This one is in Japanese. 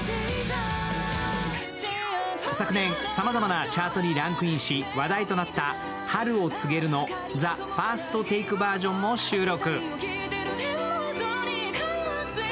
昨年さまざまなチャートにランクイン、話題となった「春を告げる」の「ＴＨＥＦＩＲＳＴＴＡＫＥ」バージョンも収録。